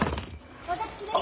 私です。